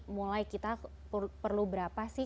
mulai kita perlu berapa sih